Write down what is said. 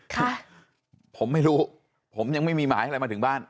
ค่ะผมไม่รู้ผมยังไม่มีหมายอะไรมาถึงบ้าน